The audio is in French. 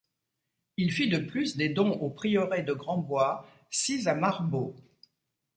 Il fit de plus des dons au prieuré de Grand-Bois, sis à Marboz.